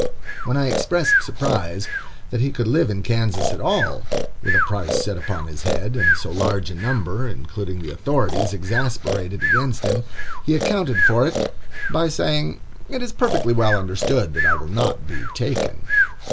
When I expressed surprise that he could live in Kansas at all, with a price set upon his head, and so large a number, including the authorities, exasperated against him, he accounted for it by saying, "It is perfectly well understood that I will not be taken."